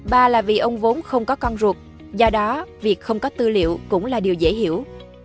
ba là vì ông vốn không có con ruột do đó việc không có tư liệu cũng là điều dễ hiểu